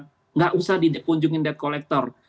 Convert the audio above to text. tidak usah dikunjungi debt collector